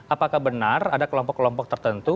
apakah benar ada kelompok kelompok tertentu